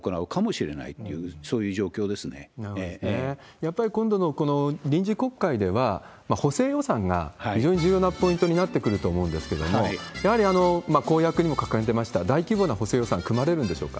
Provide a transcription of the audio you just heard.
やっぱり今度のこの臨時国会では、補正予算が非常に重要なポイントになってくると思うんですけれども、やはり公約にも掲げてました、大規模な補正予算、組まれるんでしょうか？